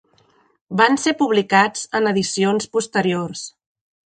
Van ser publicats en edicions posteriors.